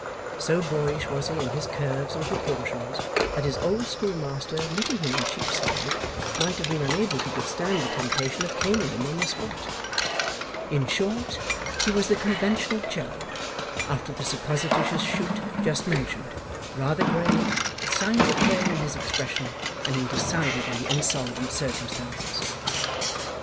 So boyish was he in his curves and proportions, that his old schoolmaster meeting him in Cheapside, might have been unable to withstand the temptation of caning him on the spot. In short, he was the conventional cherub, after the supposititious shoot just mentioned, rather grey, with signs of care on his expression, and in decidedly insolvent circumstances.